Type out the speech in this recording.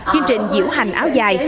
chương trình diễu hành áo dài